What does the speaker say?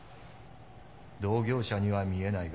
同業者には見えないが。